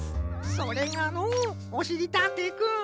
それがのうおしりたんていくん。